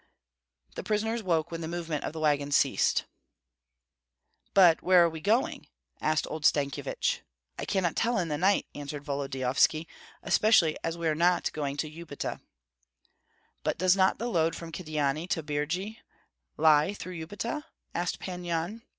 The prisoners woke when the movement of the wagon ceased. "But where are we going?" asked old Stankyevich. "I cannot tell in the night," answered Volodyovski, "especially as we are not going to Upita." "But does not the load from Kyedani to Birji lie through Upita?" asked Pan Yan.